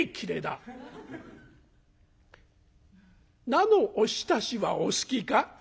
「菜のおひたしはお好きか？」。